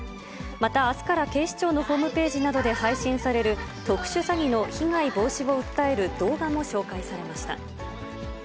また、あすから警視庁のホームページなどで配信される、特殊詐欺の被害防止を訴える動画も紹介されました。